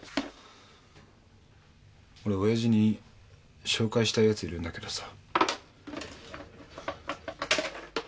俺親父に紹介したいヤツいるんだけどさ。